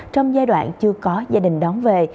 trong giai đoạn chưa có gia đình đón về